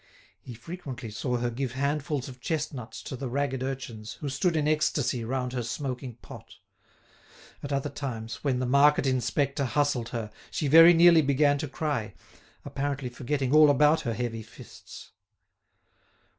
He frequently saw her give handfuls of chestnuts to the ragged urchins who stood in ecstasy round her smoking pot. At other times, when the market inspector hustled her, she very nearly began to cry, apparently forgetting all about her heavy fists.